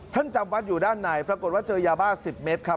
จำวัดอยู่ด้านในปรากฏว่าเจอยาบ้า๑๐เมตรครับ